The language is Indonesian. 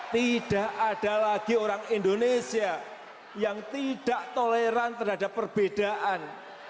tidak ada lagi orang indonesia yang tidak toleran terhadap perbedaan